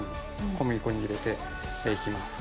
小麦粉に入れていきます。